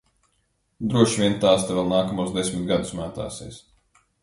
Droši vien tās te vēl nākamos desmit gadus mētāsies.